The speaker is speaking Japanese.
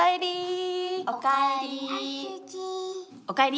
おかえり。